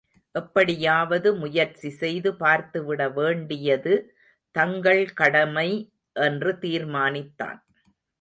எப்படியாவது முயற்சி செய்து பார்த்துவிட வேண்டியது தங்கள் கடமை என்று தீர்மானித்தான்.